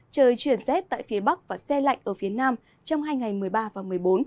trời chuyển rét tại phía bắc và xe lạnh ở phía nam trong hai ngày một mươi ba và một mươi bốn